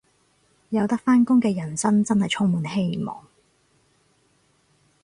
有得返工嘅人生真係充滿希望